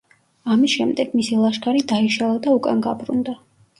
ამის შემდეგ მისი ლაშქარი დაიშალა და უკან გაბრუნდა.